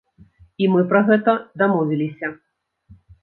І мы пра гэта дамовіліся.